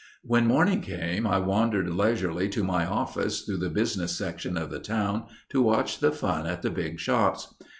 When morning came, I wandered leisurely to my office through the business section of the town to watch the fun at the big shops.